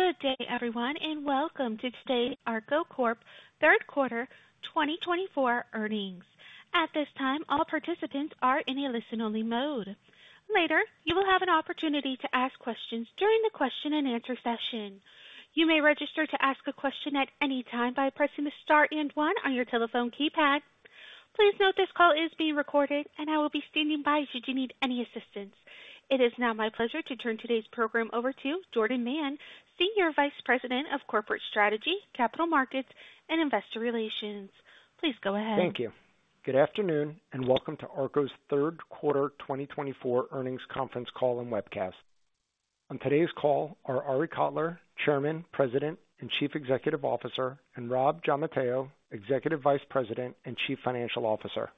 Good day, everyone, and welcome to today's Arko Corp Third Quarter 2024 Earnings. At this time, all participants are in a listen-only mode. Later, you will have an opportunity to ask questions during the question-and-answer session. You may register to ask a question at any time by pressing the star and one on your telephone keypad. Please note this call is being recorded, and I will be standing by should you need any assistance. It is now my pleasure to turn today's program over to Jordan Mann, Senior Vice President of Corporate Strategy, Capital Markets, and Investor Relations. Please go ahead. Thank you. Good afternoon, and welcome to Arko's third quarter 2024 earnings conference call and webcast. On today's call are Arie Kotler, Chairman, President, and Chief Executive Officer, and Rob Giammatteo, Executive Vice President and Chief Financial Officer.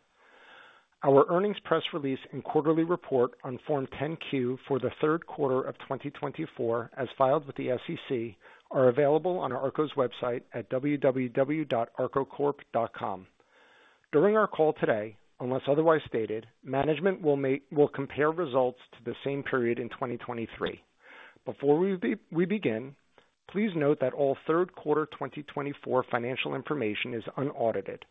Our earnings press release and quarterly report on Form 10-Q for the third quarter of 2024, as filed with the SEC, are available on Arko's website at www.arkocorp.com. During our call today, unless otherwise stated, management will compare results to the same period in 2023. Before we begin, please note that all third quarter 2024 financial information is unaudited.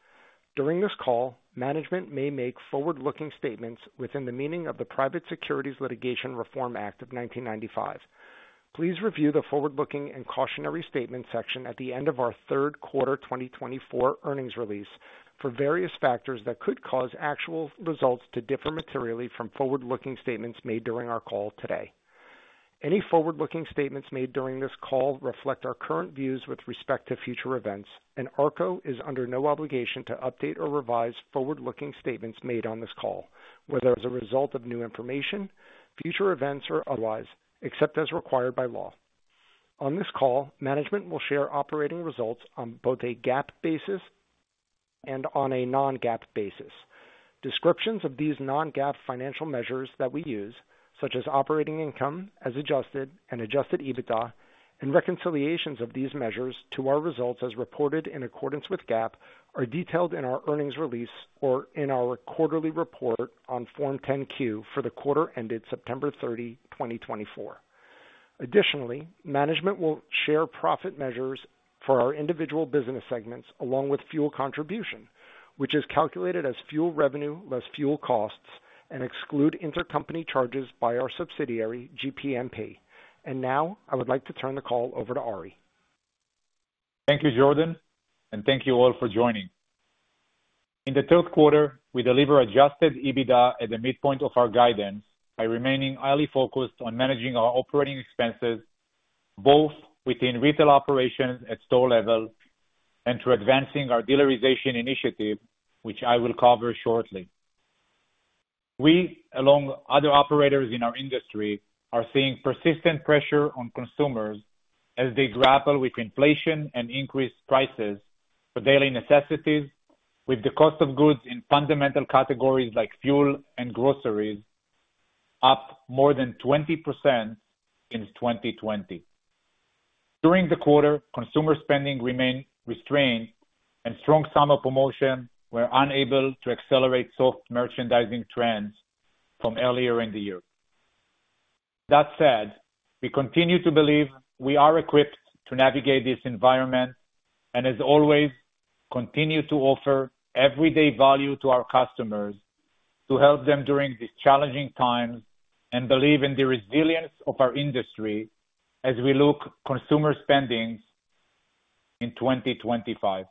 During this call, management may make forward-looking statements within the meaning of the Private Securities Litigation Reform Act of 1995.Please review the forward-looking and cautionary statements section at the end of our third quarter 2024 earnings release for various factors that could cause actual results to differ materially from forward-looking statements made during our call today. Any forward-looking statements made during this call reflect our current views with respect to future events, and Arko is under no obligation to update or revise forward-looking statements made on this call, whether as a result of new information, future events, or otherwise, except as required by law. On this call, management will share operating results on both a GAAP basis and on a non-GAAP basis. Descriptions of these non-GAAP financial measures that we use, such as operating income as adjusted and adjusted EBITDA, and reconciliations of these measures to our results as reported in accordance with GAAP, are detailed in our earnings release or in our quarterly report on Form 10-Q for the quarter ended September 30, 2024. Additionally, management will share profit measures for our individual business segments along with fuel contribution, which is calculated as fuel revenue less fuel costs and excludes intercompany charges by our subsidiary, GPMP. And now, I would like to turn the call over to Arie. Thank you, Jordan, and thank you all for joining. In the third quarter, we deliver Adjusted EBITDA at the midpoint of our guidance by remaining highly focused on managing our operating expenses, both within retail operations at store level and through advancing our Dealerization initiative, which I will cover shortly. We, along with other operators in our industry, are seeing persistent pressure on consumers as they grapple with inflation and increased prices for daily necessities, with the cost of goods in fundamental categories like fuel and groceries up more than 20% since 2020. During the quarter, consumer spending remained restrained, and strong summer promotions were unable to accelerate soft merchandising trends from earlier in the year. That said, we continue to believe we are equipped to navigate this environment and, as always, continue to offer everyday value to our customers to help them during these challenging times and believe in the resilience of our industry as we look at consumer spending in 2025.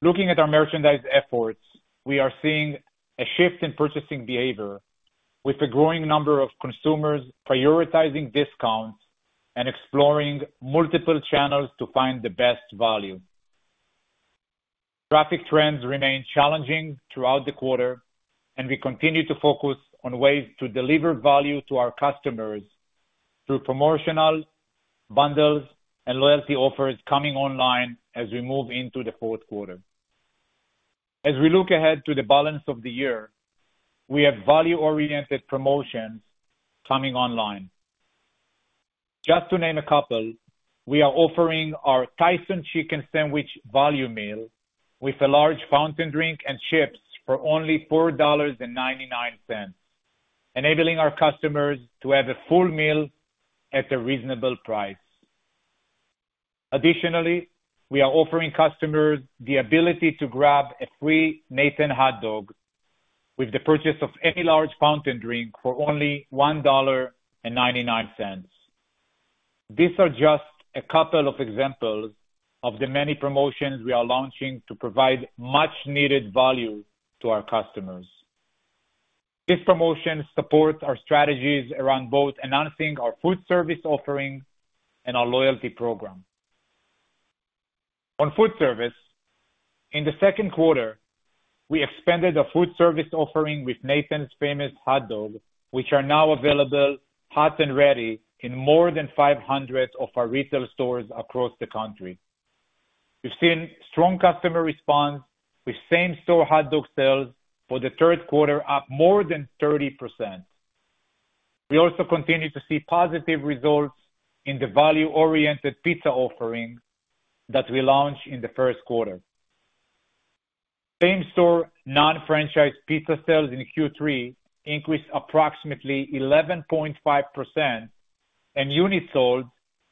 Looking at our merchandise efforts, we are seeing a shift in purchasing behavior, with a growing number of consumers prioritizing discounts and exploring multiple channels to find the best value. Traffic trends remain challenging throughout the quarter, and we continue to focus on ways to deliver value to our customers through promotional bundles and loyalty offers coming online as we move into the fourth quarter. As we look ahead to the balance of the year, we have value-oriented promotions coming online. Just to name a couple, we are offering our Tyson Chicken Sandwich Value Meal with a large fountain drink and chips for only $4.99, enabling our customers to have a full meal at a reasonable price. Additionally, we are offering customers the ability to grab a free Nathan's hot dog with the purchase of any large fountain drink for only $1.99. These are just a couple of examples of the many promotions we are launching to provide much-needed value to our customers. This promotion supports our strategies around both announcing our food service offering and our loyalty program. On food service, in the second quarter, we expanded our food service offering with Nathan's Famous hot dogs, which are now available hot and ready in more than 500 of our retail stores across the country. We've seen strong customer response with same-store hot dog sales for the third quarter up more than 30%.We also continue to see positive results in the value-oriented pizza offering that we launched in the first quarter. Same-store non-franchise pizza sales in Q3 increased approximately 11.5%, and units sold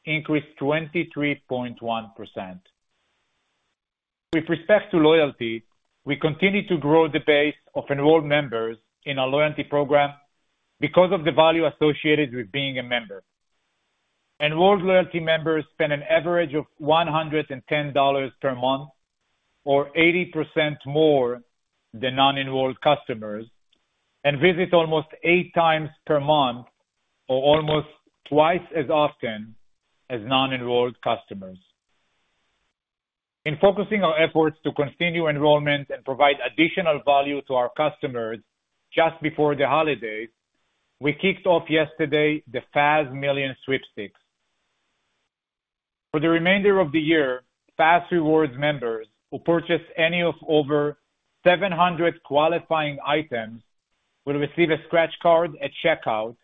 increased 23.1%. With respect to loyalty, we continue to grow the base of enrolled members in our loyalty program because of the value associated with being a member. Enrolled loyalty members spend an average of $110 per month, or 80% more than non-enrolled customers, and visit almost eight times per month, or almost twice as often as non-enrolled customers. In focusing our efforts to continue enrollment and provide additional value to our customers just before the holidays, we kicked off yesterday the FAS Million Sweepstakes. For the remainder of the year, FAS Rewards members who purchase any of over 700 qualifying items will receive a scratch card at checkout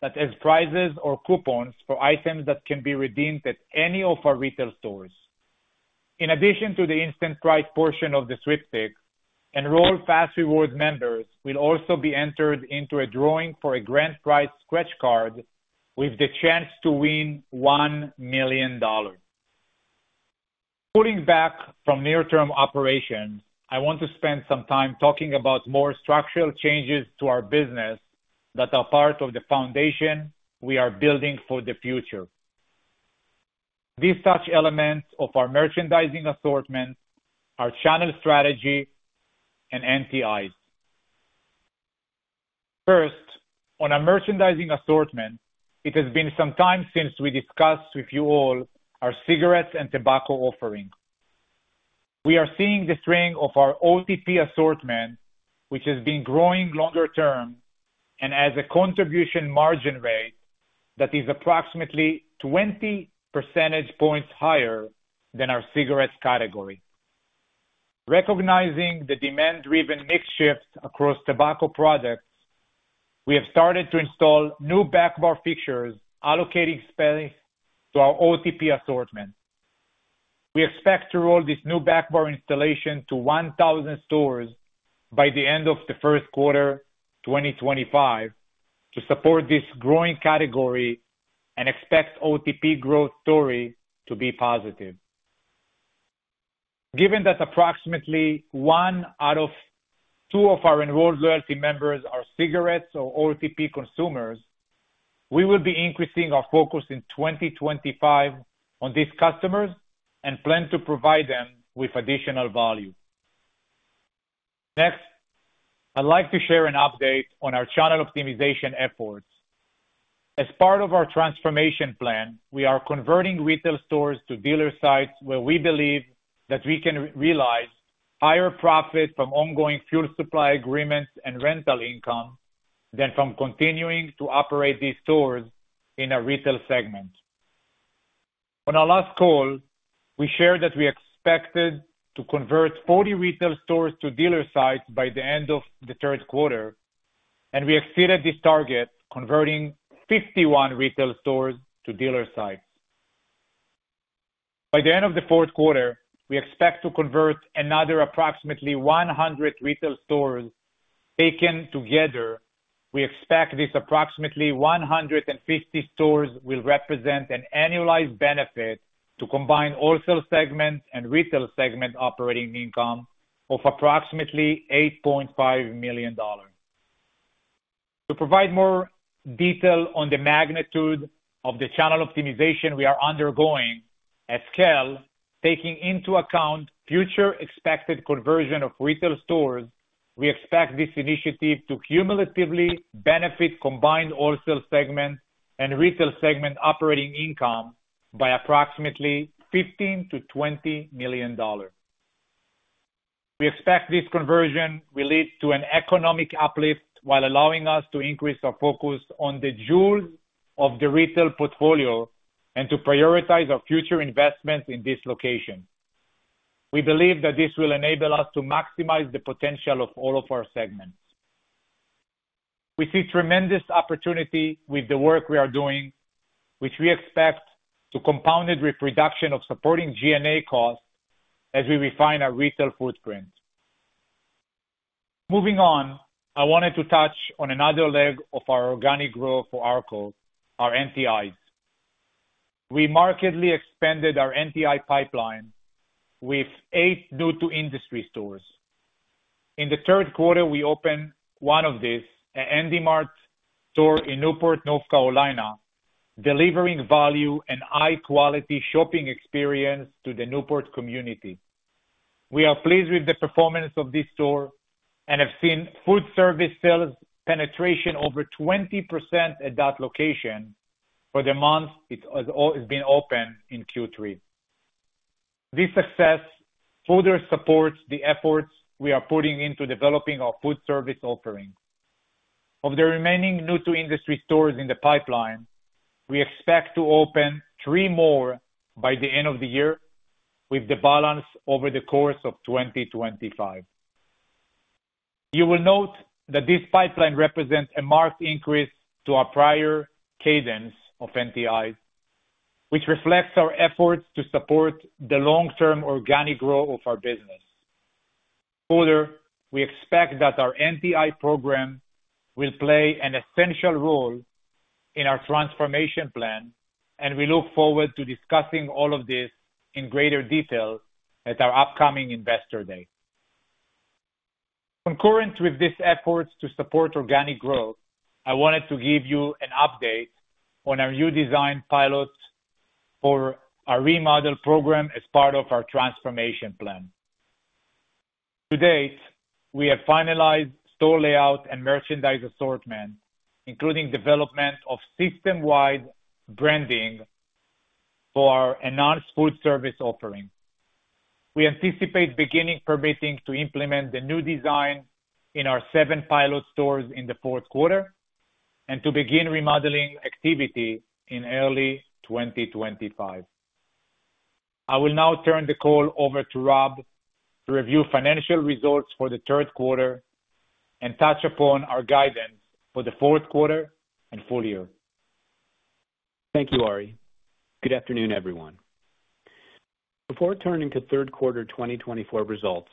that has prizes or coupons for items that can be redeemed at any of our retail stores. In addition to the instant prize portion of the sweepstakes, enrolled FAS Rewards members will also be entered into a drawing for a grand prize scratch card with the chance to win $1 million. Pulling back from near-term operations, I want to spend some time talking about more structural changes to our business that are part of the foundation we are building for the future. These touch elements of our merchandising assortment, our channel strategy, and NTIs. First, on our merchandising assortment, it has been some time since we discussed with you all our cigarettes and tobacco offering. We are seeing the strength of our OTP assortment, which has been growing longer term and has a contribution margin rate that is approximately 20% points higher than our cigarettes category. Recognizing the demand-driven mix shift across tobacco products, we have started to install new back bar features allocating space to our OTP assortment. We expect to roll this new back bar installation to 1,000 stores by the end of the first quarter 2025 to support this growing category and expect OTP growth story to be positive. Given that approximately one out of two of our enrolled loyalty members are cigarettes or OTP consumers, we will be increasing our focus in 2025 on these customers and plan to provide them with additional value. Next, I'd like to share an update on our channel optimization efforts. As part of our transformation plan, we are converting retail stores to dealer sites where we believe that we can realize higher profits from ongoing fuel supply agreements and rental income than from continuing to operate these stores in a retail segment. On our last call, we shared that we expected to convert 40 retail stores to dealer sites by the end of the third quarter, and we exceeded this target, converting 51 retail stores to dealer sites. By the end of the fourth quarter, we expect to convert another approximately 100 retail stores taken together. We expect this approximately 150 stores will represent an annualized benefit to combine wholesale segment and retail segment operating income of approximately $8.5 million. To provide more detail on the magnitude of the channel optimization we are undergoing at scale, taking into account future expected conversion of retail stores, we expect this initiative to cumulatively benefit combined wholesale segment and retail segment operating income by approximately $15 million-$20 million. We expect this conversion will lead to an economic uplift while allowing us to increase our focus on the jewels of the retail portfolio and to prioritize our future investments in this location. We believe that this will enable us to maximize the potential of all of our segments. We see tremendous opportunity with the work we are doing, which we expect to compound with reduction of supporting G&A costs as we refine our retail footprint. Moving on, I wanted to touch on another leg of our organic growth for Arko, our NTIs. We markedly expanded our NTI pipeline with eight new-to-industry stores. In the third quarter, we opened one of these, an Handy Mart store in Newport, North Carolina, delivering value and high-quality shopping experience to the Newport community. We are pleased with the performance of this store and have seen food service sales penetration over 20% at that location for the month it has been open in Q3. This success further supports the efforts we are putting into developing our food service offering. Of the remaining new-to-industry stores in the pipeline, we expect to open three more by the end of the year with the balance over the course of 2025. You will note that this pipeline represents a marked increase to our prior cadence of NTIs, which reflects our efforts to support the long-term organic growth of our business. Further, we expect that our NTI program will play an essential role in our transformation plan, and we look forward to discussing all of this in greater detail at our upcoming investor day. Concurrent with these efforts to support organic growth, I wanted to give you an update on our new design pilot for our remodel program as part of our transformation plan. To date, we have finalized store layout and merchandise assortment, including development of system-wide branding for our enhanced food service offering. We anticipate beginning permitting to implement the new design in our seven pilot stores in the fourth quarter and to begin remodeling activity in early 2025. I will now turn the call over to Rob to review financial results for the third quarter and touch upon our guidance for the fourth quarter and full year. Thank you, Arie. Good afternoon, everyone. Before turning to third quarter 2024 results,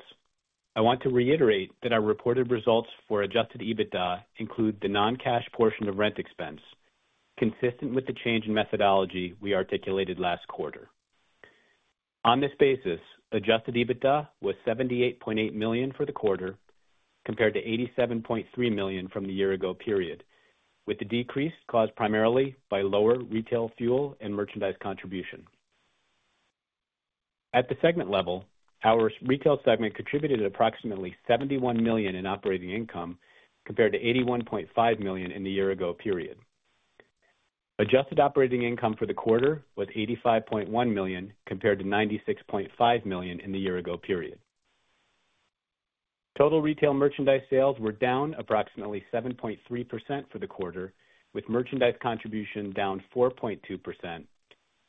I want to reiterate that our reported results for adjusted EBITDA include the non-cash portion of rent expense, consistent with the change in methodology we articulated last quarter. On this basis, adjusted EBITDA was $78.8 million for the quarter, compared to $87.3 million from the year-ago period, with the decrease caused primarily by lower retail fuel and merchandise contribution. At the segment level, our retail segment contributed approximately $71 million in operating income, compared to $81.5 million in the year-ago period. Adjusted operating income for the quarter was $85.1 million, compared to $96.5 million in the year-ago period. Total retail merchandise sales were down approximately 7.3% for the quarter, with merchandise contribution down 4.2%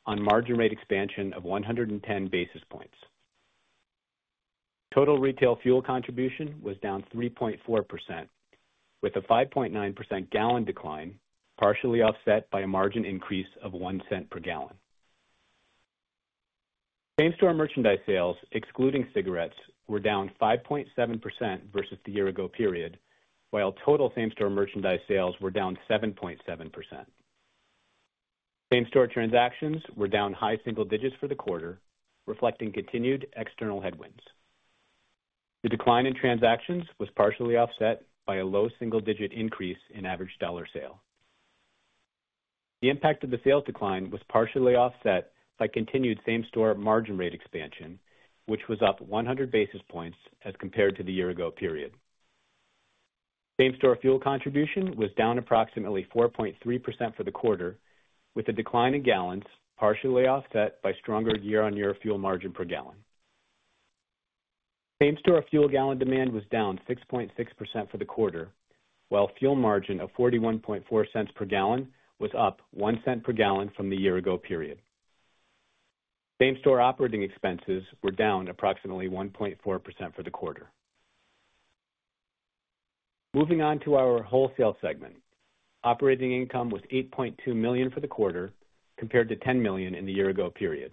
on margin rate expansion of 110 basis points. Total retail fuel contribution was down 3.4%, with a 5.9% gallon decline, partially offset by a margin increase of $0.01 per gallon. Same-store merchandise sales, excluding cigarettes, were down 5.7% versus the year-ago period, while total same-store merchandise sales were down 7.7%. Same-store transactions were down high single digits for the quarter, reflecting continued external headwinds. The decline in transactions was partially offset by a low single-digit increase in average dollar sale. The impact of the sales decline was partially offset by continued same-store margin rate expansion, which was up 100 basis points as compared to the year-ago period. Same-store fuel contribution was down approximately 4.3% for the quarter, with a decline in gallons, partially offset by stronger year-on-year fuel margin per gallon. Same-store fuel gallon demand was down 6.6% for the quarter, while fuel margin of $0.41 per gallon was up $0.01 per gallon from the year-ago period. Same-store operating expenses were down approximately 1.4% for the quarter. Moving on to our wholesale segment, operating income was $8.2 million for the quarter, compared to $10 million in the year-ago period.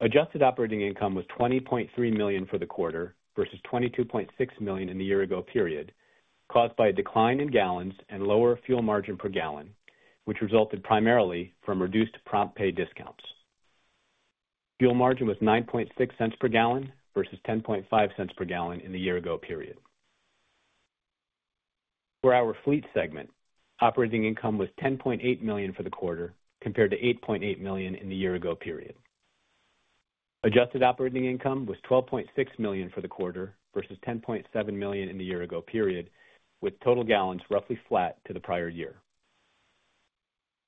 Adjusted operating income was $20.3 million for the quarter versus $22.6 million in the year-ago period, caused by a decline in gallons and lower fuel margin per gallon, which resulted primarily from reduced prompt pay discounts. Fuel margin was $0.96 per gallon versus $0.10 per gallon in the year-ago period. For our fleet segment, operating income was $10.8 million for the quarter, compared to $8.8 million in the year-ago period. Adjusted operating income was $12.6 million for the quarter versus $10.7 million in the year-ago period, with total gallons roughly flat to the prior year.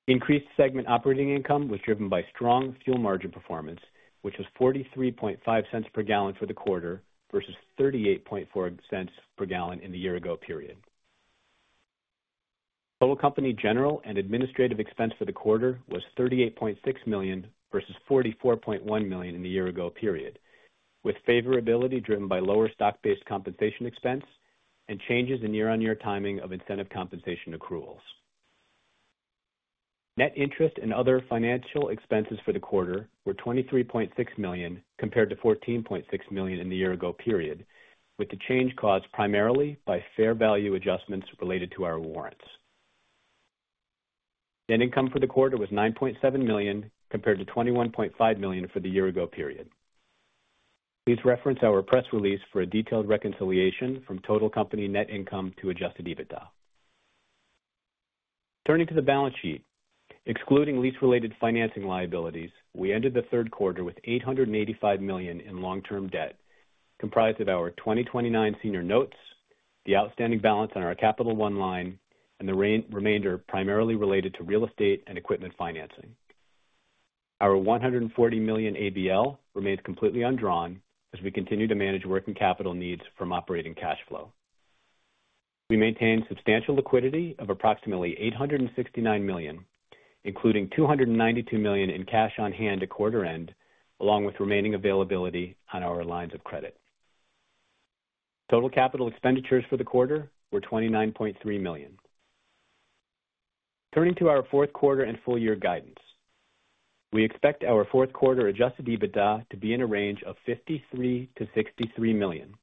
Increased segment operating income was driven by strong fuel margin performance, which was $0.435 per gallon for the quarter versus $0.384 per gallon in the year-ago period. Total company general and administrative expense for the quarter was $38.6 million versus $44.1 million in the year-ago period, with favorability driven by lower stock-based compensation expense and changes in year-on-year timing of incentive compensation accruals. Net interest and other financial expenses for the quarter were $23.6 million, compared to $14.6 million in the year-ago period, with the change caused primarily by fair value adjustments related to our warrants. Net income for the quarter was $9.7 million, compared to $21.5 million for the year-ago period. Please reference our press release for a detailed reconciliation from total company net income to adjusted EBITDA. Turning to the balance sheet, excluding lease-related financing liabilities, we ended the third quarter with $885 million in long-term debt, comprised of our 2029 senior notes, the outstanding balance on our Capital One line, and the remainder primarily related to real estate and equipment financing. Our $140 million ABL remains completely undrawn as we continue to manage working capital needs from operating cash flow. We maintain substantial liquidity of approximately $869 million, including $292 million in cash on hand at quarter end, along with remaining availability on our lines of credit. Total capital expenditures for the quarter were $29.3 million. Turning to our fourth quarter and full year guidance, we expect our fourth quarter adjusted EBITDA to be in a range of $53 million-$63 million.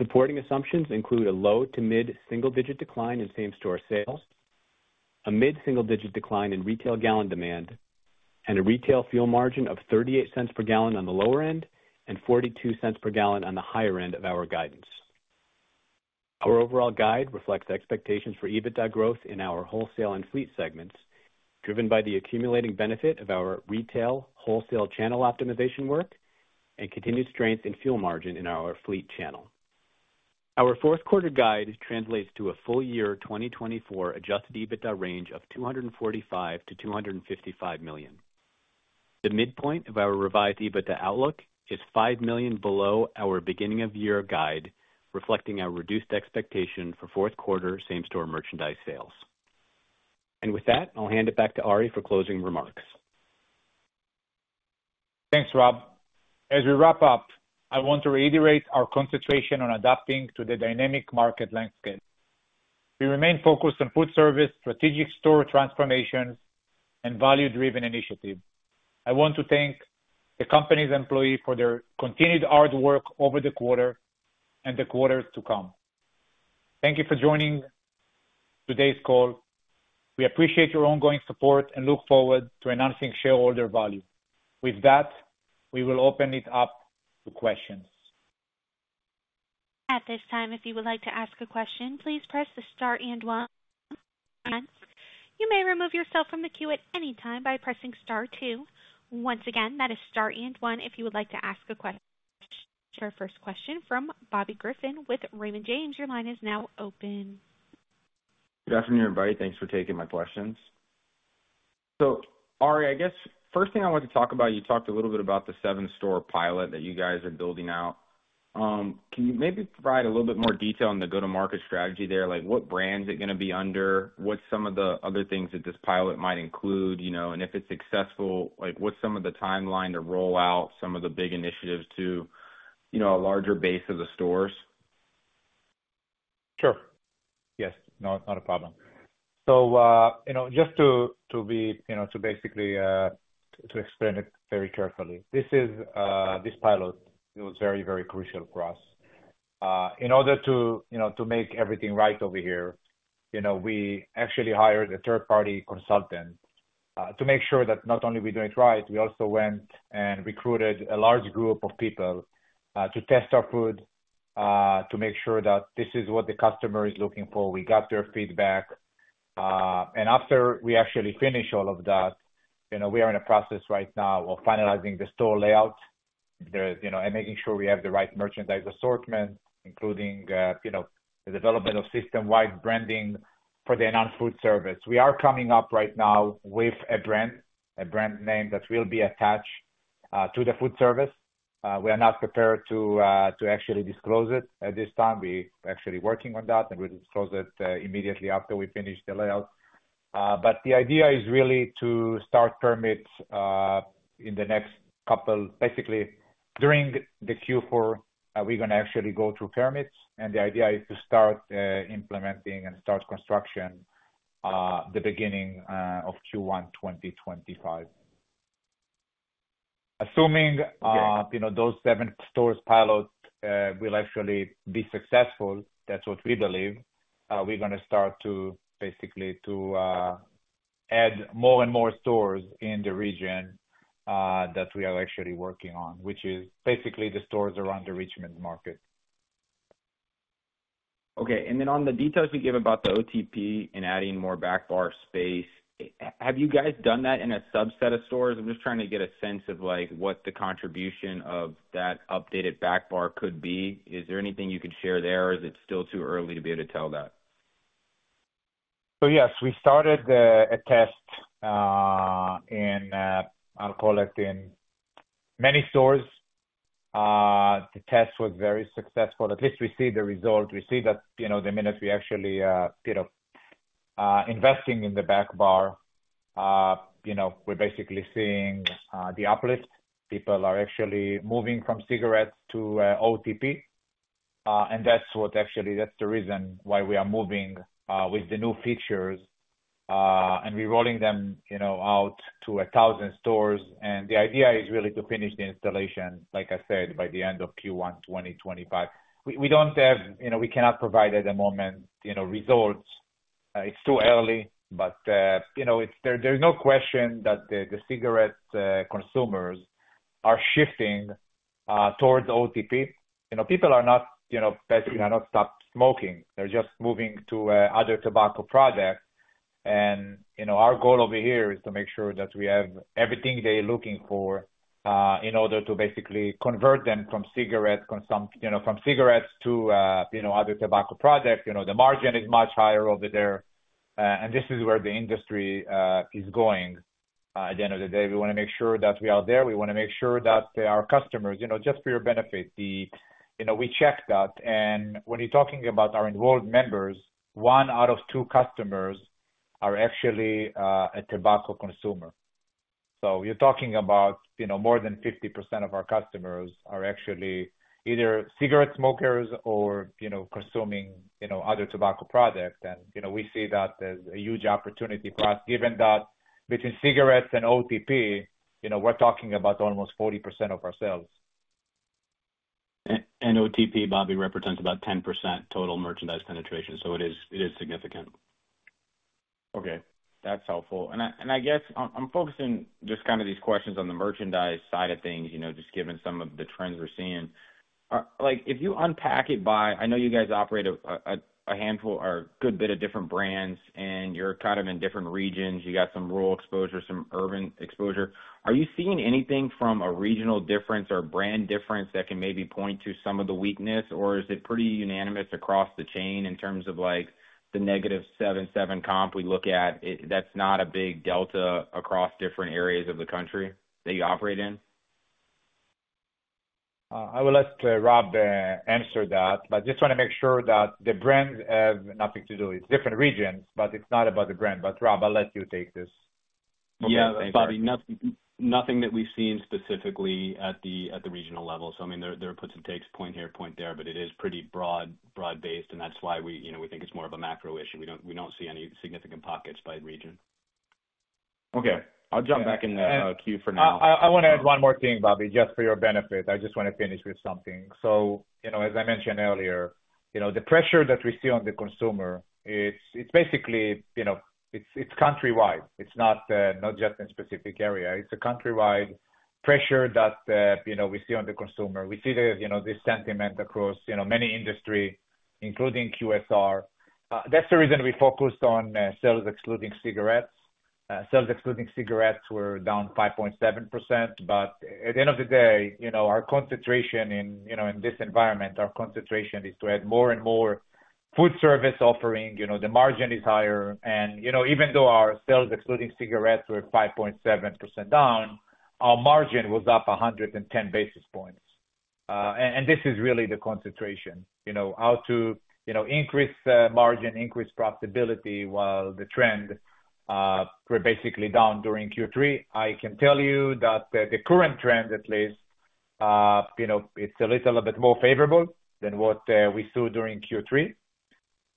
Supporting assumptions include a low to mid single-digit decline in same-store sales, a mid single-digit decline in retail gallon demand, and a retail fuel margin of $0.38 per gallon on the lower end and $0.42 per gallon on the higher end of our guidance. Our overall guide reflects expectations for EBITDA growth in our wholesale and fleet segments, driven by the accumulating benefit of our retail wholesale channel optimization work and continued strength in fuel margin in our fleet channel. Our fourth quarter guide translates to a full year 2024 adjusted EBITDA range of $245 million-$255 million. The midpoint of our revised EBITDA outlook is $5 million below our beginning-of-year guide, reflecting our reduced expectation for fourth quarter same-store merchandise sales. And with that, I'll hand it back to Arie for closing remarks. Thanks, Rob. As we wrap up, I want to reiterate our concentration on adapting to the dynamic market landscape. We remain focused on food service, strategic store transformations, and value-driven initiatives. I want to thank the company's employees for their continued hard work over the quarter and the quarters to come. Thank you for joining today's call. We appreciate your ongoing support and look forward to enhancing shareholder value. With that, we will open it up to questions. At this time, if you would like to ask a question, please press the Star and 1. You may remove yourself from the queue at any time by pressing Star 2. Once again, that is Star and 1 if you would like to ask a question. Our first question from Bobby Griffin with Raymond James. Your line is now open. Good afternoon, everybody. Thanks for taking my questions. So, Arie, I guess first thing I want to talk about, you talked a little bit about the seven-store pilot that you guys are building out. Can you maybe provide a little bit more detail on the go-to-market strategy there? What brands are it going to be under? What's some of the other things that this pilot might include? And if it's successful, what's some of the timeline to roll out some of the big initiatives to a larger base of the stores? Sure. Yes. Not a problem. So just to basically explain it very carefully, this pilot was very, very crucial for us. In order to make everything right over here, we actually hired a third-party consultant to make sure that not only we do it right, we also went and recruited a large group of people to test our food, to make sure that this is what the customer is looking for. We got their feedback. After we actually finish all of that, we are in a process right now of finalizing the store layout and making sure we have the right merchandise assortment, including the development of system-wide branding for the enhanced food service. We are coming up right now with a brand, a brand name that will be attached to the food service. We are not prepared to actually disclose it at this time. We are actually working on that, and we'll disclose it immediately after we finish the layout, but the idea is really to start permits in the next couple basically during the Q4, we're going to actually go through permits, and the idea is to start implementing and start construction the beginning of Q1 2025. Assuming those seven-store pilot will actually be successful, that's what we believe, we're going to start to basically add more and more stores in the region that we are actually working on, which is basically the stores around the Richmond market. Okay. And then on the details you gave about the OTP and adding more backbar space, have you guys done that in a subset of stores? I'm just trying to get a sense of what the contribution of that updated backbar could be. Is there anything you can share there, or is it still too early to be able to tell that? Yes, we started a test in, I'll call it, in many stores. The test was very successful. At least we see the result. We see that the minute we actually investing in the back bar, we're basically seeing the uplift. People are actually moving from cigarettes to OTP. And that's what actually that's the reason why we are moving with the new features. And we're rolling them out to 1,000 stores. And the idea is really to finish the installation, like I said, by the end of Q1 2025. We don't have. We cannot provide at the moment results. It's too early, but there's no question that the cigarette consumers are shifting towards OTP. People are not basically stopped smoking. They're just moving to other tobacco products. And our goal over here is to make sure that we have everything they're looking for in order to basically convert them from cigarettes to other tobacco products. The margin is much higher over there. And this is where the industry is going at the end of the day. We want to make sure that we are there. We want to make sure that our customers, just for your benefit, we check that. And when you're talking about our involved members, one out of two customers are actually a tobacco consumer. So you're talking about more than 50% of our customers are actually either cigarette smokers or consuming other tobacco products. And we see that as a huge opportunity for us, given that between cigarettes and OTP, we're talking about almost 40% of ourselves. OTP, Bobby, represents about 10% total merchandise penetration. It is significant. Okay. That's helpful, and I guess I'm focusing just kind of these questions on the merchandise side of things, just given some of the trends we're seeing. If you unpack it by, I know you guys operate a handful or a good bit of different brands, and you're kind of in different regions. You got some rural exposure, some urban exposure. Are you seeing anything from a regional difference or brand difference that can maybe point to some of the weakness, or is it pretty unanimous across the chain in terms of the negative 7.7% comp we look at? That's not a big delta across different areas of the country that you operate in? I would like to let Rob answer that, but I just want to make sure that the brands have nothing to do. It's different regions, but it's not about the brand. But Rob, I'll let you take this. Yeah, Bobby, nothing that we've seen specifically at the regional level. So I mean, there are puts and takes, point here, point there, but it is pretty broad-based, and that's why we think it's more of a macro issue. We don't see any significant pockets by region. Okay. I'll jump back in the queue for now. I want to add one more thing, Bobby, just for your benefit. I just want to finish with something so as I mentioned earlier, the pressure that we see on the consumer, it's basically it's countrywide. It's not just in specific areas. It's a countrywide pressure that we see on the consumer. We see this sentiment across many industries, including QSR. That's the reason we focused on sales excluding cigarettes. Sales excluding cigarettes were down 5.7%. But at the end of the day, our concentration in this environment, our concentration is to add more and more food service offering. The margin is higher and even though our sales excluding cigarettes were 5.7% down, our margin was up 110 basis points. And this is really the concentration. How to increase margin, increase profitability while the trends were basically down during Q3?I can tell you that the current trend, at least, it's a little bit more favorable than what we saw during Q3,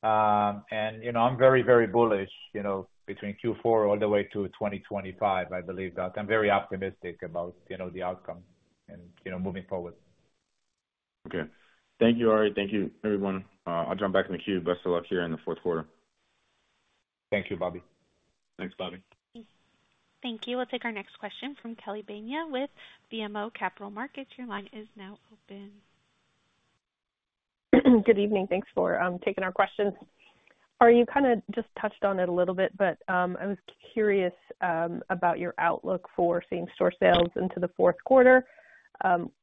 and I'm very, very bullish between Q4 all the way to 2025. I believe that I'm very optimistic about the outcome and moving forward. Okay. Thank you, Arie. Thank you, everyone. I'll jump back in the queue. Best of luck here in the fourth quarter. Thank you, Bobby. Thanks, Bobby. Thank you. We'll take our next question from Kelly Bania with BMO Capital Markets. Your line is now open. Good evening. Thanks for taking our questions. Arie, you kind of just touched on it a little bit, but I was curious about your outlook for same-store sales into the fourth quarter,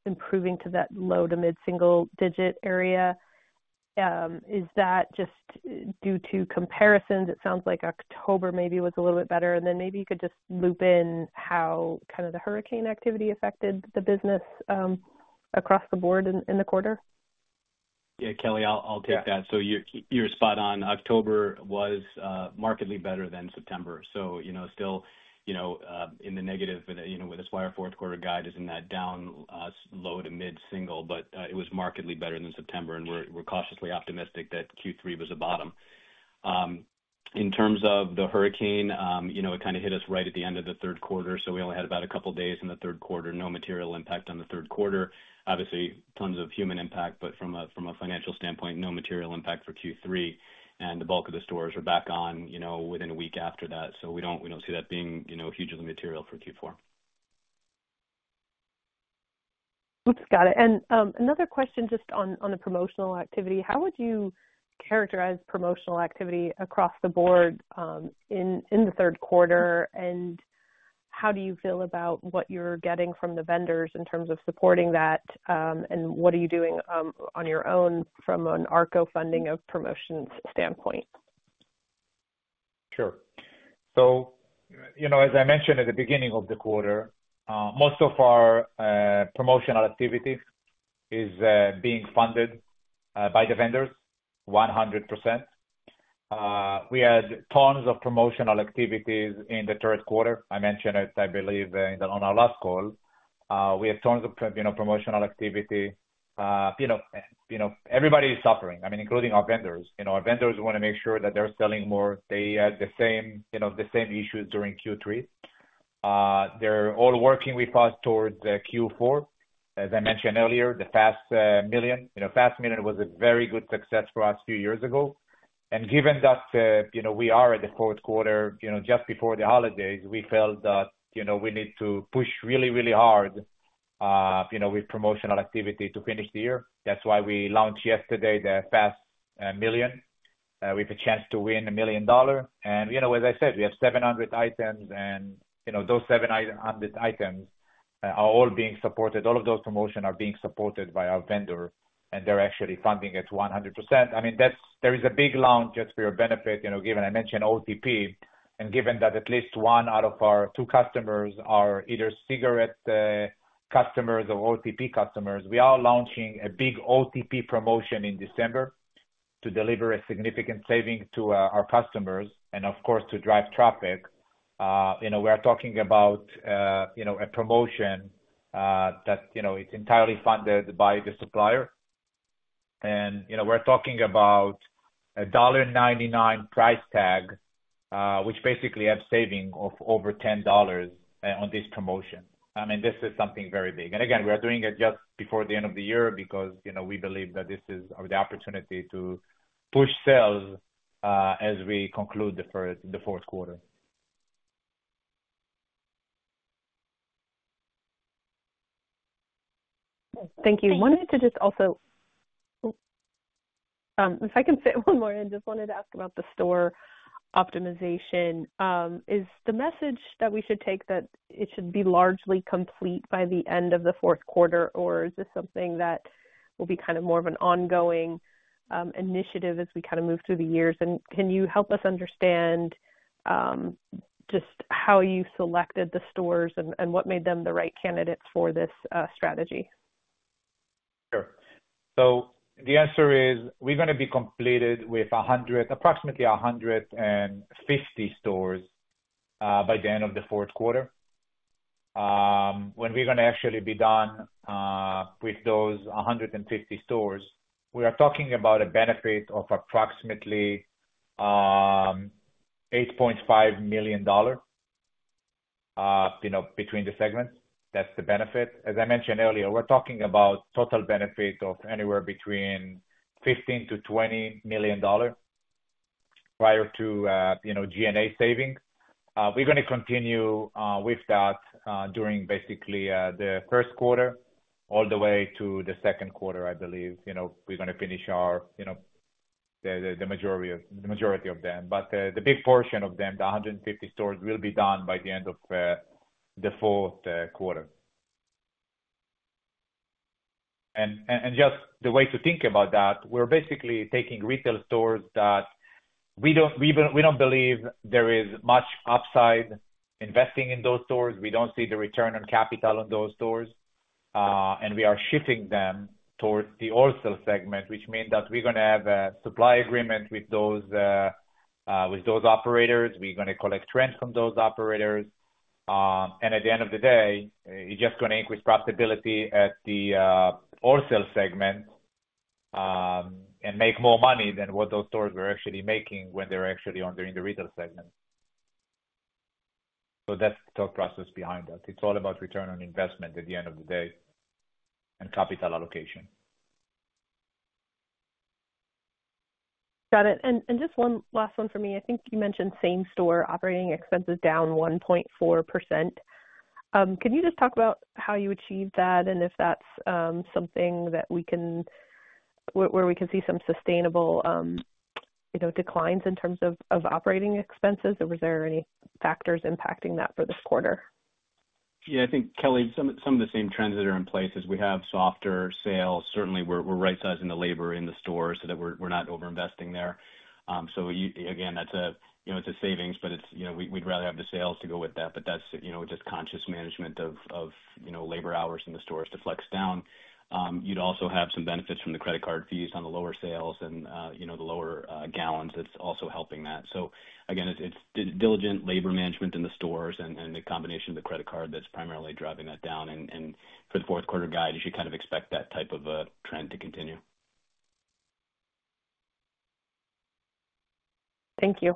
improving to that low to mid single-digit area. Is that just due to comparisons? It sounds like October maybe was a little bit better. And then maybe you could just loop in how kind of the hurricane activity affected the business across the board in the quarter. Yeah, Kelly, I'll take that. So you're spot on. October was markedly better than September. So still in the negative with this our fourth quarter guide, isn't that down low to mid single, but it was markedly better than September. And we're cautiously optimistic that Q3 was the bottom. In terms of the hurricane, it kind of hit us right at the end of the third quarter. So we only had about a couple of days in the third quarter, no material impact on the third quarter. Obviously, tons of human impact, but from a financial standpoint, no material impact for Q3.And the bulk of the stores are back on within a week after that. So we don't see that being hugely material for Q4. Oops, got it. And another question just on the promotional activity. How would you characterize promotional activity across the board in the third quarter? And how do you feel about what you're getting from the vendors in terms of supporting that? And what are you doing on your own from an Arko funding of promotions standpoint? Sure, so as I mentioned at the beginning of the quarter, most of our promotional activity is being funded by the vendors, 100%. We had tons of promotional activities in the third quarter. I mentioned it, I believe, on our last call. We had tons of promotional activity. Everybody is suffering, I mean, including our vendors. Our vendors want to make sure that they're selling more. They had the same issues during Q3. They're all working with us towards Q4. As I mentioned earlier, the FAS Million. FAS Million was a very good success for us a few years ago, and given that we are at the fourth quarter, just before the holidays, we felt that we need to push really, really hard with promotional activity to finish the year. That's why we launched yesterday the FAS Million. We have a chance to win $1 million. As I said, we have 700 items, and those 700 items are all being supported. All of those promotions are being supported by our vendor, and they're actually funding it 100%. I mean, there is a big launch just for your benefit, given I mentioned OTP, and given that at least one out of our two customers are either cigarette customers or OTP customers. We are launching a big OTP promotion in December to deliver a significant saving to our customers and, of course, to drive traffic. We are talking about a promotion that it's entirely funded by the supplier. We're talking about a $1.99 price tag, which basically has savings of over $10 on this promotion. I mean, this is something very big. Again, we are doing it just before the end of the year because we believe that this is the opportunity to push sales as we conclude the fourth quarter. Thank you. I wanted to just also if I can fit one more in, just wanted to ask about the store optimization. Is the message that we should take that it should be largely complete by the end of the fourth quarter, or is this something that will be kind of more of an ongoing initiative as we kind of move through the years? And can you help us understand just how you selected the stores and what made them the right candidates for this strategy? Sure. So the answer is we're going to be completed with approximately 150 stores by the end of the fourth quarter. When we're going to actually be done with those 150 stores, we are talking about a benefit of approximately $8.5 million between the segments. That's the benefit. As I mentioned earlier, we're talking about total benefit of anywhere between $15 million-$20 million prior to G&A savings. We're going to continue with that during basically the first quarter all the way to the second quarter, I believe. We're going to finish the majority of them. But the big portion of them, the 150 stores, will be done by the end of the fourth quarter. And just the way to think about that, we're basically taking retail stores that we don't believe there is much upside investing in those stores. We don't see the return on capital on those stores. We are shifting them towards the wholesale segment, which means that we're going to have a supply agreement with those operators. We're going to collect rent from those operators. And at the end of the day, it's just going to increase profitability at the wholesale segment and make more money than what those stores were actually making when they were actually under the retail segment. So that's the thought process behind that. It's all about return on investment at the end of the day and capital allocation. Got it. And just one last one for me. I think you mentioned same-store operating expenses down 1.4%. Can you just talk about how you achieved that and if that's something that we can see some sustainable declines in terms of operating expenses, or were there any factors impacting that for this quarter? Yeah, I think, Kelly, some of the same trends that are in place. We have softer sales. Certainly, we're right-sizing the labor in the stores so that we're not over-investing there. So again, it's a savings, but we'd rather have the sales to go with that. But that's just conscious management of labor hours in the stores to flex down. You'd also have some benefits from the credit card fees on the lower sales and the lower gallons that's also helping that. So again, it's diligent labor management in the stores and the combination of the credit card that's primarily driving that down. And for the fourth quarter guide, you should kind of expect that type of a trend to continue. Thank you.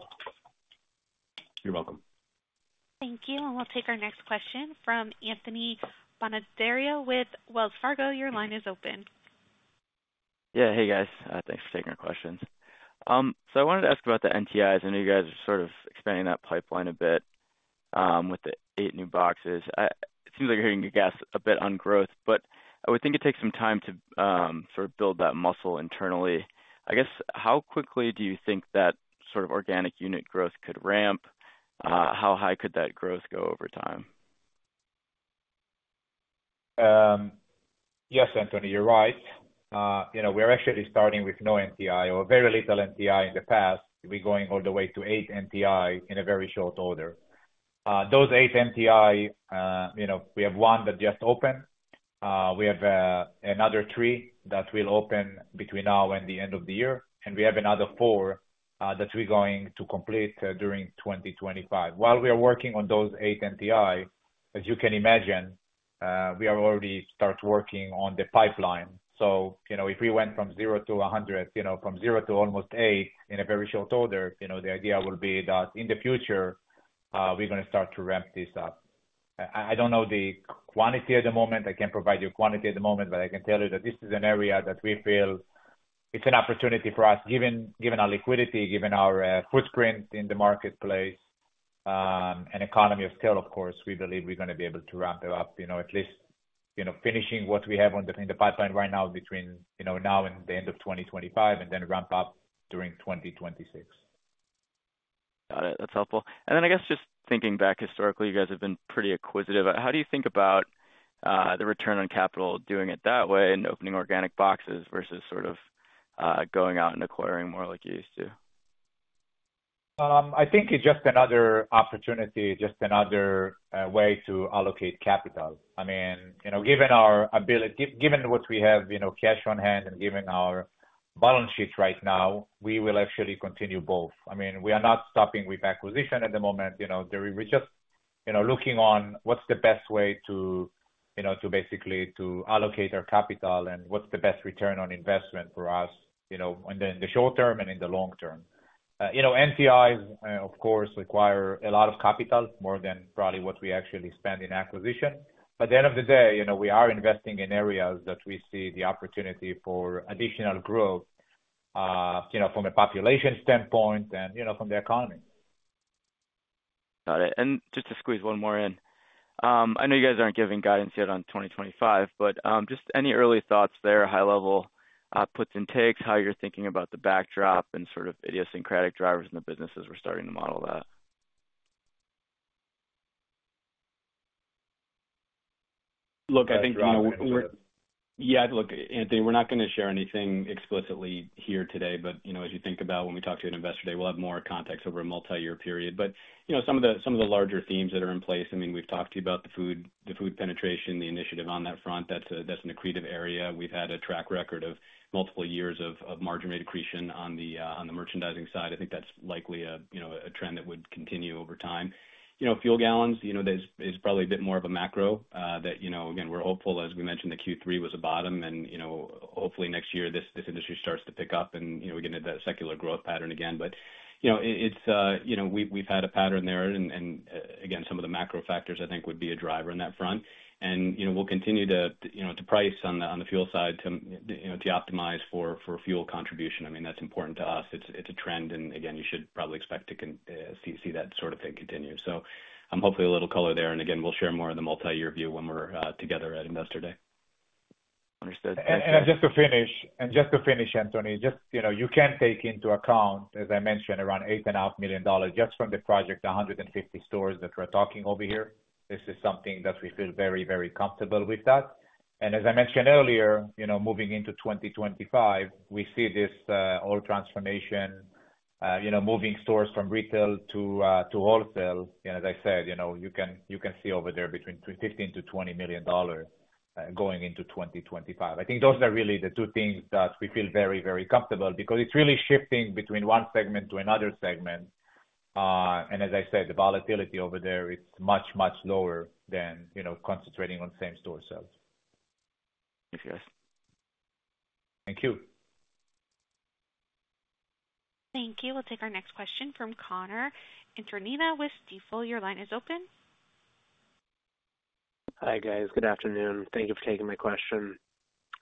You're welcome. Thank you. And we'll take our next question from Anthony Bonadio with Wells Fargo. Your line is open. Yeah. Hey, guys. Thanks for taking our questions. So I wanted to ask about the NTIs. I know you guys are sort of expanding that pipeline a bit with the eight new boxes. It seems like you're hitting your gas a bit on growth, but I would think it takes some time to sort of build that muscle internally. I guess, how quickly do you think that sort of organic unit growth could ramp? How high could that growth go over time? Yes, Anthony, you're right. We're actually starting with no NTI or very little NTI in the past. We're going all the way to eight NTI in a very short order. Those eight NTI, we have one that just opened. We have another three that will open between now and the end of the year, and we have another four that we're going to complete during 2025. While we are working on those eight NTI, as you can imagine, we have already started working on the pipeline. So if we went from 0-100, from 0 to almost 8 in a very short order, the idea will be that in the future, we're going to start to ramp this up. I don't know the quantity at the moment.I can't provide you a quantity at the moment, but I can tell you that this is an area that we feel it's an opportunity for us, given our liquidity, given our footprint in the marketplace, and economy of scale, of course. We believe we're going to be able to ramp it up, at least finishing what we have in the pipeline right now between now and the end of 2025, and then ramp up during 2026. Got it. That's helpful. And then I guess just thinking back historically, you guys have been pretty acquisitive. How do you think about the return on capital doing it that way and opening organic boxes versus sort of going out and acquiring more like you used to? I think it's just another opportunity, just another way to allocate capital. I mean, given what we have cash on hand and given our balance sheet right now, we will actually continue both. I mean, we are not stopping with acquisition at the moment. We're just looking on what's the best way to basically allocate our capital and what's the best return on investment for us in the short term and in the long term. NTIs, of course, require a lot of capital, more than probably what we actually spend in acquisition. But at the end of the day, we are investing in areas that we see the opportunity for additional growth from a population standpoint and from the economy. Got it. And just to squeeze one more in. I know you guys aren't giving guidance yet on 2025, but just any early thoughts there, high-level puts and takes, how you're thinking about the backdrop and sort of idiosyncratic drivers in the business as we're starting to model that? Look, I think we're, yeah, look, Anthony, we're not going to share anything explicitly here today, but as you think about when we talk to an investor today, we'll have more context over a multi-year period, but some of the larger themes that are in place, I mean, we've talked to you about the food penetration, the initiative on that front. That's an accretive area. We've had a track record of multiple years of margin rate accretion on the merchandising side. I think that's likely a trend that would continue over time. Fuel gallons, there's probably a bit more of a macro that, again, we're hopeful. As we mentioned, the Q3 was a bottom, and hopefully, next year, this industry starts to pick up and we get into that secular growth pattern again, but we've had a pattern there. Again, some of the macro factors, I think, would be a driver on that front. We'll continue to price on the fuel side to optimize for fuel contribution. I mean, that's important to us. It's a trend. You should probably expect to see that sort of thing continue. I'm hopefully a little colored there. We'll share more of the multi-year view when we're together at investor day. Understood. And just to finish, Anthony, just you can take into account, as I mentioned, around $8.5 million just from the project, the 150 stores that we're talking over here. This is something that we feel very, very comfortable with that. And as I mentioned earlier, moving into 2025, we see this whole transformation, moving stores from retail to wholesale. And as I said, you can see over there between $15 million-$20 million going into 2025. I think those are really the two things that we feel very, very comfortable because it's really shifting between one segment to another segment. And as I said, the volatility over there, it's much, much lower than concentrating on same-store sales. Thank you, guys. Thank you. Thank you. We'll take our next question from Connor Introna with Stifel. Your line is open. Hi, guys. Good afternoon. Thank you for taking my question.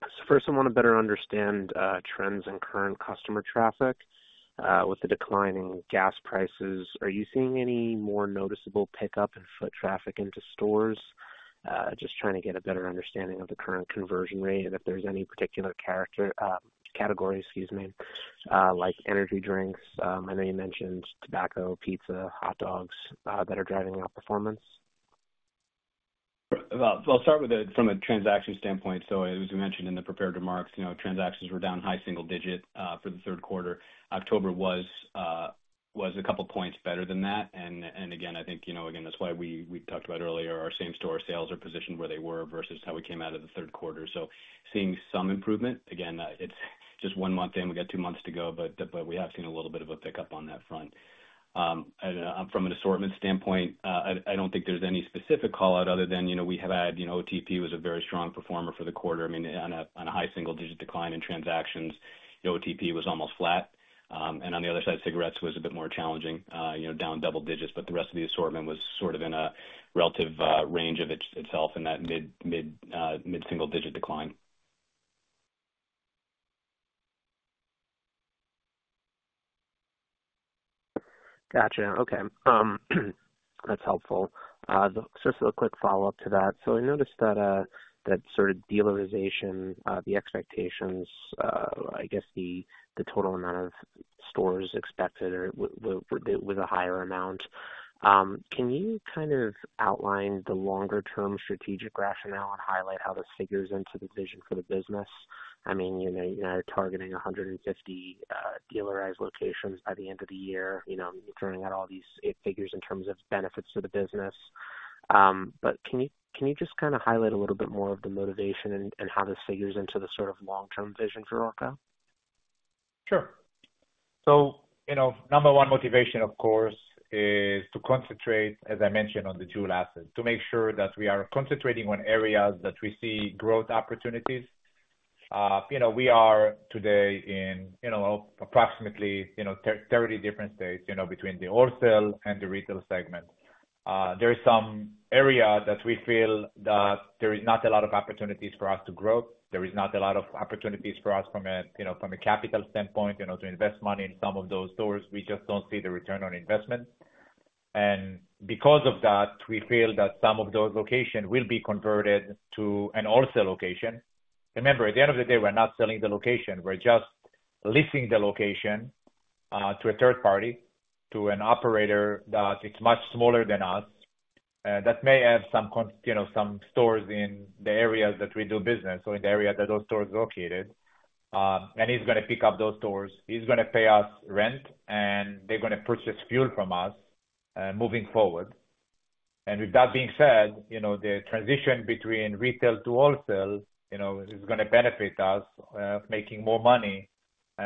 So first, I want to better understand trends in current customer traffic with the declining gas prices. Are you seeing any more noticeable pickup in foot traffic into stores? Just trying to get a better understanding of the current conversion rate and if there's any particular category, excuse me, like energy drinks. I know you mentioned tobacco, pizza, hot dogs that are driving outperformance. I'll start with it from a transaction standpoint. So as we mentioned in the prepared remarks, transactions were down high single digit for the third quarter. October was a couple of points better than that. And again, I think, again, that's why we talked about earlier, our same-store sales are positioned where they were versus how we came out of the third quarter. So seeing some improvement. Again, it's just one month in. We got two months to go, but we have seen a little bit of a pickup on that front. From an assortment standpoint, I don't think there's any specific call-out other than we had OTP was a very strong performer for the quarter. I mean, on a high single-digit decline in transactions, OTP was almost flat. And on the other side, cigarettes was a bit more challenging, down double digits.but the rest of the assortment was sort of in a relative range of itself in that mid-single-digit decline. Gotcha. Okay. That's helpful. Just a quick follow-up to that. So I noticed that sort of dealerization, the expectations, I guess the total amount of stores expected was a higher amount. Can you kind of outline the longer-term strategic rationale and highlight how this figures into the vision for the business? I mean, you're targeting 150 dealerized locations by the end of the year, throwing out all these figures in terms of benefits to the business. But can you just kind of highlight a little bit more of the motivation and how this figures into the sort of long-term vision for Arko? Sure. So number one motivation, of course, is to concentrate, as I mentioned, on the dual assets, to make sure that we are concentrating on areas that we see growth opportunities. We are today in approximately 30 different states between the wholesale and the retail segment. There is some area that we feel that there is not a lot of opportunities for us to grow. There is not a lot of opportunities for us from a capital standpoint to invest money in some of those stores. We just don't see the return on investment. And because of that, we feel that some of those locations will be converted to a wholesale location. Remember, at the end of the day, we're not selling the location. We're just leasing the location to a third party, to an operator that is much smaller than us, that may have some stores in the areas that we do business or in the area that those stores are located. And he's going to pick up those stores. He's going to pay us rent, and they're going to purchase fuel from us moving forward. And with that being said, the transition between retail to wholesale is going to benefit us of making more money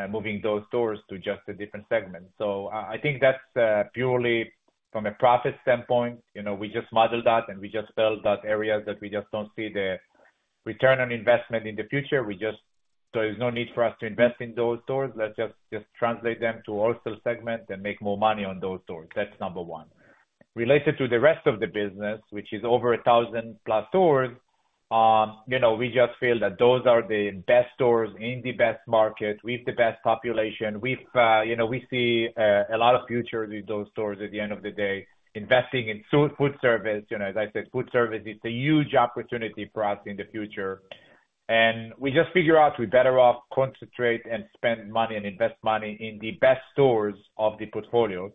moving those stores to just a different segment. So I think that's purely from a profit standpoint. We just modeled that, and we just felt that areas that we just don't see the return on investment in the future, we just so there's no need for us to invest in those stores. Let's just translate them to wholesale segment and make more money on those stores. That's number one. Related to the rest of the business, which is over 1,000-plus stores, we just feel that those are the best stores in the best market. We have the best population. We see a lot of future with those stores at the end of the day. Investing in food service, as I said, food service, it's a huge opportunity for us in the future. And we just figure out we're better off concentrating and spending money and investing money in the best stores of the portfolios.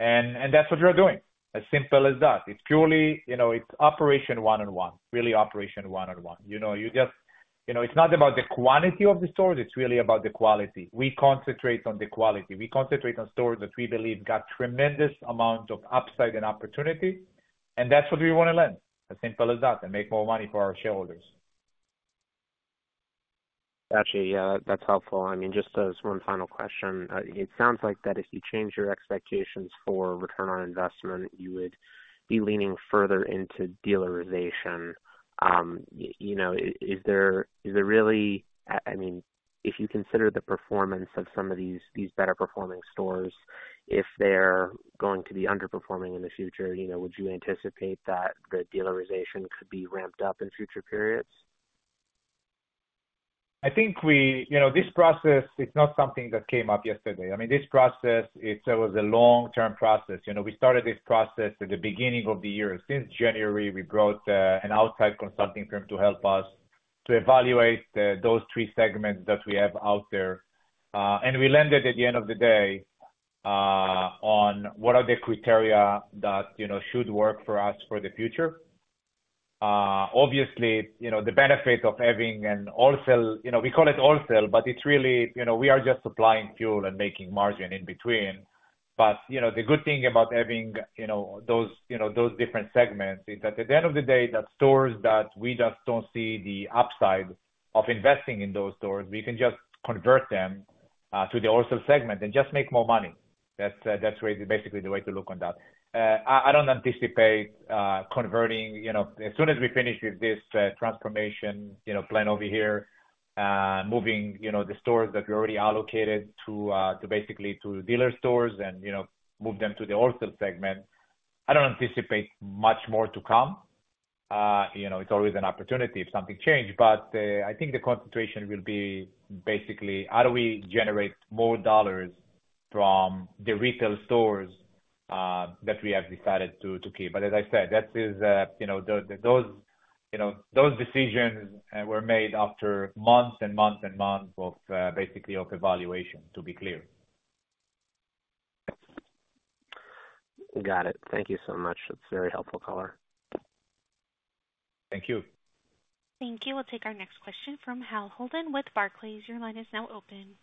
And that's what we're doing. As simple as that. It's purely, it's operation one-on-one, really operation one-on-one. You just, it's not about the quantity of the stores. It's really about the quality. We concentrate on the quality. We concentrate on stores that we believe got tremendous amounts of upside and opportunity. And that's what we want to lend. As simple as that. Make more money for our shareholders. Gotcha. Yeah. That's helpful. I mean, just as one final question, it sounds like that if you change your expectations for return on investment, you would be leaning further into dealerization. Is there really, I mean, if you consider the performance of some of these better-performing stores, if they're going to be underperforming in the future, would you anticipate that the dealerization could be ramped up in future periods? I think this process is not something that came up yesterday. I mean, this process, it was a long-term process. We started this process at the beginning of the year. Since January, we brought an outside consulting firm to help us to evaluate those three segments that we have out there, and we landed at the end of the day on what are the criteria that should work for us for the future. Obviously, the benefit of having a wholesale, we call it wholesale, but it's really we are just supplying fuel and making margin in between, but the good thing about having those different segments is that at the end of the day, the stores that we just don't see the upside of investing in those stores, we can just convert them to the wholesale segment and just make more money. That's basically the way to look on that. I don't anticipate converting as soon as we finish with this transformation plan over here, moving the stores that we already allocated to basically dealer stores and move them to the wholesale segment. I don't anticipate much more to come. It's always an opportunity if something changes. But I think the concentration will be basically how do we generate more dollars from the retail stores that we have decided to keep. But as I said, that is those decisions were made after months and months and months of basically evaluation, to be clear. Got it. Thank you so much. That's very helpful, Connor. Thank you. Thank you. We'll take our next question from Hale Holden with Barclays. Your line is now open.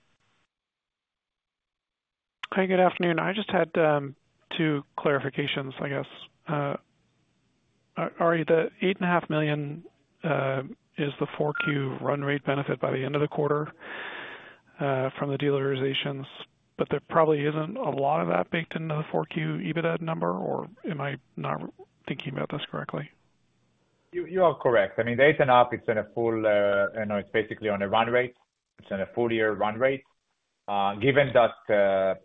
Hi, good afternoon. I just had two clarifications, I guess. Are the $8.5 million is the 4Q run rate benefit by the end of the quarter from the dealerizations? But there probably isn't a lot of that baked into the 4Q EBITDA number, or am I not thinking about this correctly? You are correct. I mean, $8.5. It's basically on a run rate. It's on a full-year run rate. Given that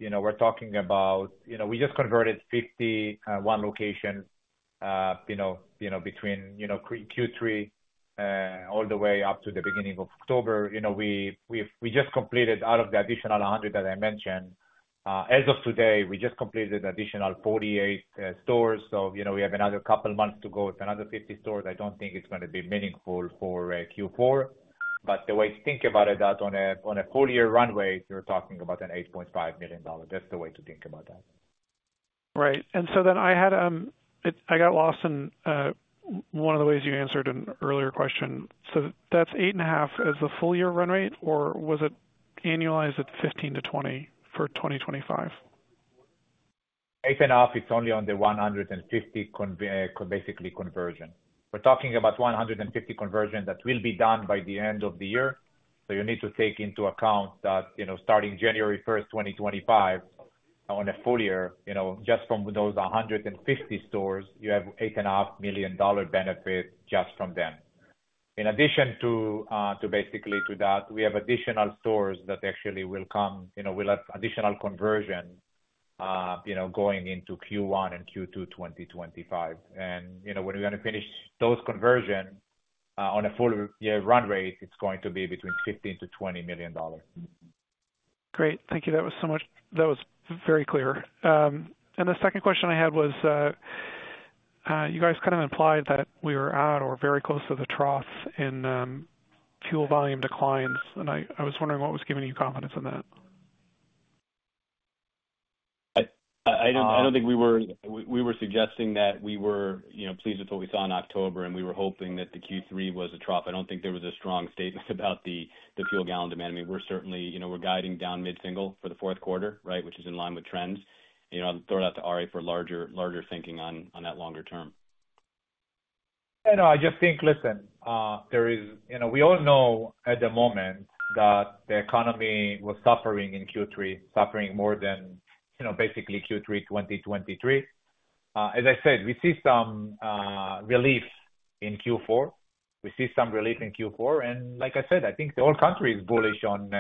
we're talking about, we just converted 51 locations between Q3 all the way up to the beginning of October. We just completed, out of the additional 100 that I mentioned, as of today, we just completed additional 48 stores. So we have another couple of months to go with another 50 stores. I don't think it's going to be meaningful for Q4. But the way to think about it, that on a full-year run rate, you're talking about an $8.5 million. That's the way to think about that. Right, and so then I got lost in one of the ways you answered an earlier question. So that's 8.5 as the full-year run rate, or was it annualized at 15-20 for 2025? $8.5, it's only on the 150 basically conversion. We're talking about 150 conversion that will be done by the end of the year. So you need to take into account that starting January 1st, 2025, on a full year, just from those 150 stores, you have $8.5 million benefit just from them. In addition to basically to that, we have additional stores that actually will come. We'll have additional conversion going into Q1 and Q2 2025. And when we're going to finish those conversion on a full-year run rate, it's going to be between $15 million-$20 million. Great. Thank you. That was very clear. And the second question I had was you guys kind of implied that we were out or very close to the trough in fuel volume declines. And I was wondering what was giving you confidence in that? I don't think we were suggesting that we were pleased with what we saw in October, and we were hoping that the Q3 was a trough. I don't think there was a strong statement about the fuel gallon demand. I mean, we're certainly guiding down mid-single for the fourth quarter, right, which is in line with trends. I'll throw it out to Arie for larger thinking on that longer term. I know. I just think, listen, there is, we all know at the moment that the economy was suffering in Q3, suffering more than basically Q3 2023. As I said, we see some relief in Q4. We see some relief in Q4. And like I said, I think the whole country is bullish on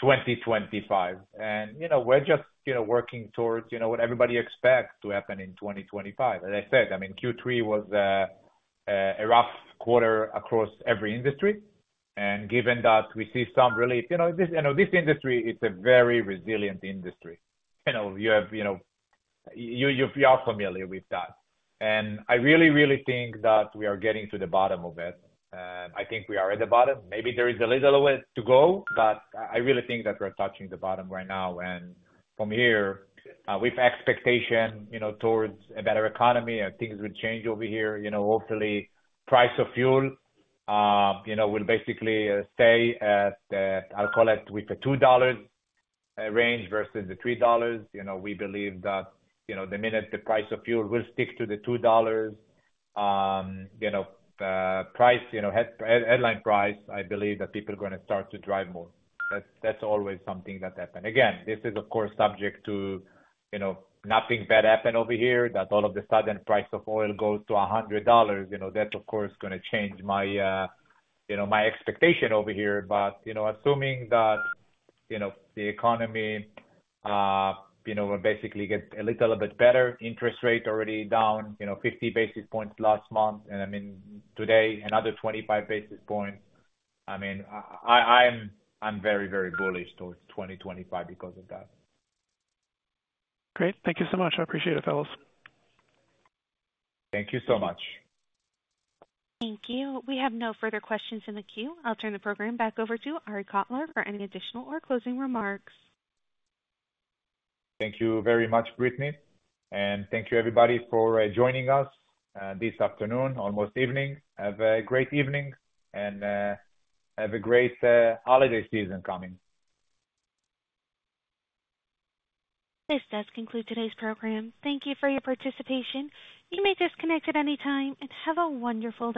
2025. And we're just working towards what everybody expects to happen in 2025. As I said, I mean, Q3 was a rough quarter across every industry. And given that we see some relief, this industry, it's a very resilient industry. You have, you are familiar with that. And I really, really think that we are getting to the bottom of it. And I think we are at the bottom. Maybe there is a little way to go, but I really think that we're touching the bottom right now. From here, with expectation towards a better economy and things will change over here, hopefully, price of fuel will basically stay at, I'll call it, with the $2 range versus the $3. We believe that the minute the price of fuel will stick to the $2 price, headline price, I believe that people are going to start to drive more. That's always something that happens. Again, this is, of course, subject to nothing bad happen over here, that all of a sudden price of oil goes to $100. That's, of course, going to change my expectation over here. But assuming that the economy will basically get a little bit better, interest rate already down 50 basis points last month, and I mean, today, another 25 basis points, I mean, I'm very, very bullish towards 2025 because of that. Great. Thank you so much. I appreciate it, fellas. Thank you so much. Thank you. We have no further questions in the queue. I'll turn the program back over to Arie Kotler for any additional or closing remarks. Thank you very much, Brittany. And thank you, everybody, for joining us this afternoon, almost evening. Have a great evening and have a great holiday season coming. This does conclude today's program. Thank you for your participation. You may disconnect at any time and have a wonderful.